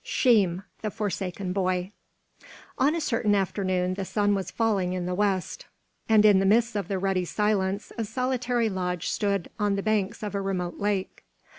SHEEM, THE FORSAKEN BOY |ON a certain afternoon the sun was falling in the west, and in the midst of the ruddy silence a solitary lodge stood on the banks of a remote lake.